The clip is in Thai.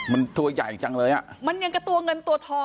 มันตัวใหญ่จังเลยอ่ะมันอย่างกับตัวเงินตัวทอง